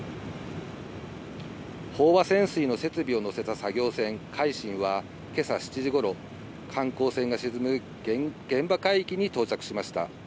飽和潜水の設備を乗せた作業船「海進」は今朝７時頃、観光船が沈む現場海域に到着しました。